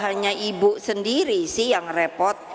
hanya ibu sendiri sih yang repot